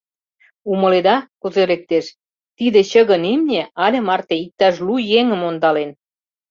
Умыледа, кузе лектеш: тиде чыгын имне але марте иктаж лу еҥым ондален.